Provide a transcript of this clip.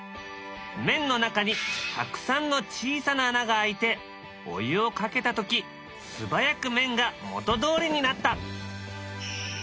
麺の中にたくさんの小さな穴があいてお湯をかけた時素早く麺が元どおりになった。